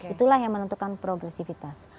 itulah yang menentukan progresifitas